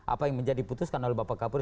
apa yang menjadi putuskan oleh bapak kapolri